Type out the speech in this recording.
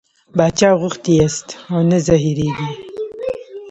باچا غوښتي یاست او نه زهرېږئ.